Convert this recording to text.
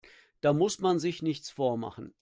Da muss man sich nichts vormachen.